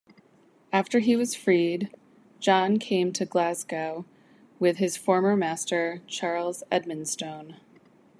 After he was freed, John came to Glasgow with his former master, Charles Edmonstone.